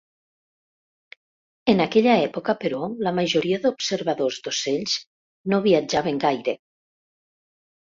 En aquella època, però, la majoria d'observadors d'ocells no viatjaven gaire.